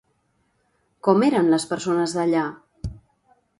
Com eren les persones d'allà?